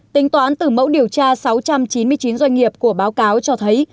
tính toán từ mẫu điều tra sáu trăm chín mươi chín doanh nghiệp của báo cáo cho thấy